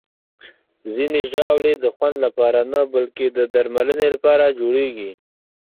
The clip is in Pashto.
ځینې ژاولې د خوند لپاره نه، بلکې د درملنې لپاره جوړېږي.